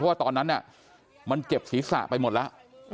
เพราะตอนนั้นเนี่ยมันเจ็บศีรษะไปหมดแล้ว